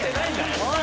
おい！